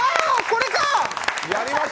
これか！